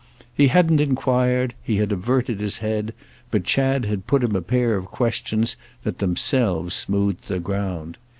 He hadn't enquired, he had averted his head, but Chad had put him a pair of questions that themselves smoothed the ground.